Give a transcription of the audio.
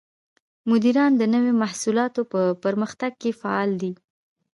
مدیران د نوو محصولاتو په پرمختګ کې فعال دي.